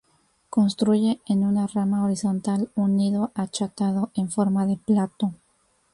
Construye, en una rama horizontal, un nido achatado, en forma de plato.